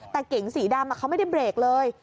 แต่เก๋งสีดำเขาไม่ได้เบรกเลย